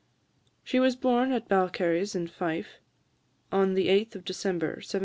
She was born at Balcarres, in Fife, on the 8th of December 1750.